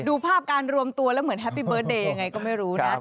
ดูภาพการรวมตัวแล้วเหมือนแฮปปี้เบิร์ตเดย์ยังไงก็ไม่รู้นะ